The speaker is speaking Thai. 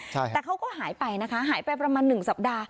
แต่เขาก็หายไปนะคะหายไปประมาณหนึ่งสัปดาห์